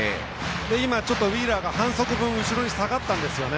今ちょっとウィーラーが半足分後ろに下がったんですよね。